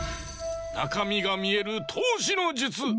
なかみがみえるとうしのじゅつ。